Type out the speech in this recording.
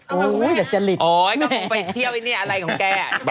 ก็คงไปเที่ยวไอ้เนี่ยอะไรของแก